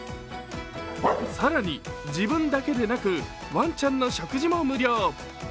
更に、自分だけでなくワンちゃんの食事も無料。